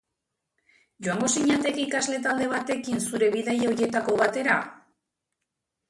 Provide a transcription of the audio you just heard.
Joango zinateke ikasle talde batekin zure bidaia horietako batera?